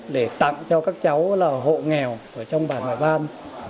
để tặng cho các cháu là hộ nghèo ở trong bản hòa ban